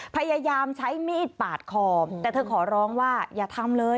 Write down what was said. พยายามใช้มีดปาดคอแต่เธอขอร้องว่าอย่าทำเลย